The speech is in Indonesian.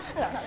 mbak nur kasih